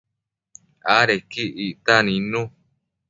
Adequi ictac nidnu